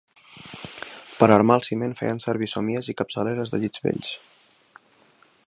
Per armar el ciment feien servir somiers i capçaleres de llits vells